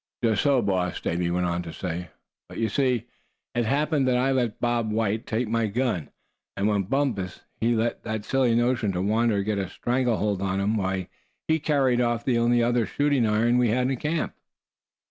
"Just so, boss," Davy went on to say, "but you see, it happened that I let Bob White take my gun; and when Bumpus, he let that silly notion to wander get a strangle hold on him, why, he carried off the only other shooting iron we had in camp."